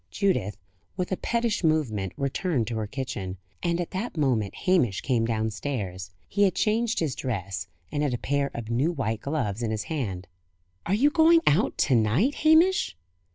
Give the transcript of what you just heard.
Judith, with a pettish movement, returned to her kitchen; and at that moment Hamish came downstairs. He had changed his dress, and had a pair of new white gloves in his hand. "Are you going out to night, Hamish?"